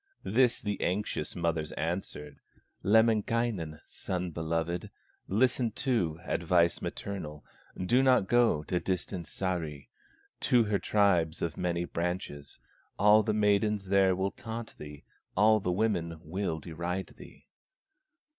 This the anxious mother's answer: "Lemminkainen, son beloved, Listen to advice maternal: Do not go to distant Sahri, To her tribe of many branches; All the maidens there will taunt thee, All the women will deride thee."